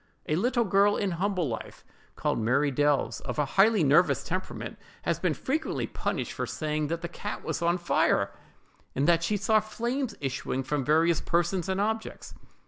A little girl, in humble life, called Mary Delves, of a highly nervous temperament, has been frequently punished for saying that the cat was on fire, and that she saw flames issuing from various persons and objects.